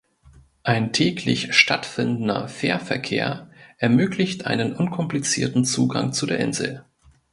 Ein täglich stattfindender Fährverkehr ermöglicht einen unkomplizierten Zugang zu der Insel.